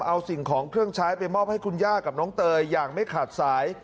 เอาสิ่งของเครื่องใช้ไปมอบให้คุณย่ากับน้องเตยอย่างไม่ขาดสาย